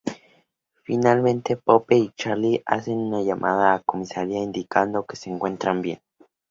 Finalmente, Pope y Charlie hacen una llamada a comisaría indicando que se encuentran bien.